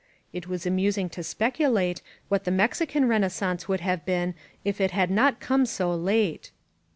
It was amusing to speculate what the Mexican Renaissance would have been if it had not come so late.